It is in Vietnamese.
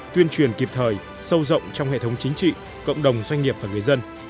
tuyên truyền kịp thời sâu rộng trong hệ thống chính trị cộng đồng doanh nghiệp và người dân